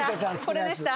これでした。